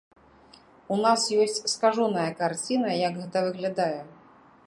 У нас ёсць скажоная карціна, як гэта выглядае.